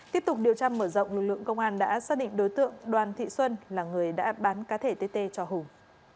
tiếp tục điều tra mở rộng lực lượng công an đã xác định đối tượng đoàn thị xuân là người đã bán cá thể tt cho hùng